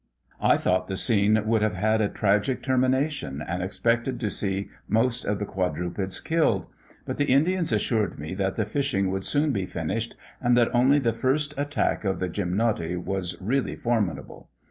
I thought the scene would have had a tragic termination, and expected to see most of the quadrupeds killed; but the Indians assured me that the fishing would soon be finished, and that only the first attack of the gymnoti was really formidable.